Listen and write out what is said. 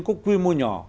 có quy mô nhỏ